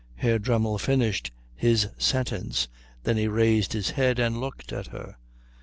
Herr Dremmel finished his sentence. Then he raised his head and looked at her.